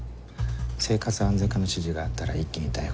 生活安全課の指示があったら一気に逮捕。